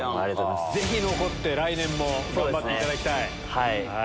ぜひ残って、来年も頑張っていただきたい。